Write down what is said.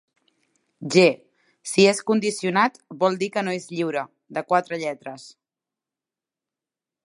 G Si és condicionat vol dir que no és lliure, de quatre lletres.